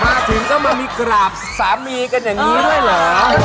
มาถึงต้องมามีกราบสามีกันอย่างนี้ด้วยเหรอ